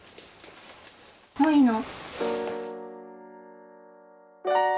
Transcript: もういいの？